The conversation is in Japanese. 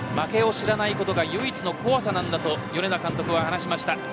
負けを知らないことが唯一の怖さなんだと米田監督は話しました。